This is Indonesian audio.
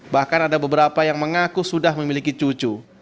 bahkan ada beberapa yang mengaku sudah memiliki cucu